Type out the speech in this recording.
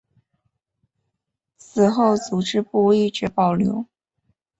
此后组织部一直保留。